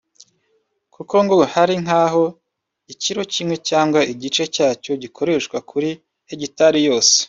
kuko ngo hari nk’aho ikiro kimwe cyangwa igice cyacyo gikoreshwa kuri hegitari yose